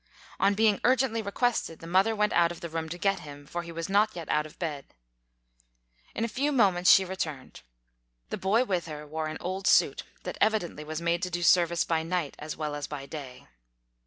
On being urgently requested, the mother went out of the room to get him, for he was not yet out of bed. In a few moments she returned. The boy with her wore an old suit that evidently was made to do service by night as well as by day.